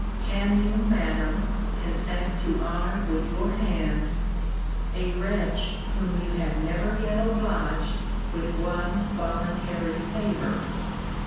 Can you, Madam, consent to honour with your hand a wretch whom you have never yet obliged with one voluntary favour!